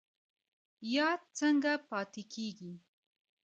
یاد څنګه پاتې کیږي؟